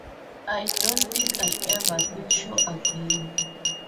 I don't think I'll ever feel sure again.